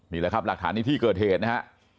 นี่แหละครับหลักฐานในที่เกิดเหตุนะฮะ